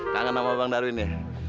kangen sama bang darwin ya